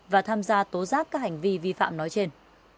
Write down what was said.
và tham gia tố giác các hành vi vi phạm nói trên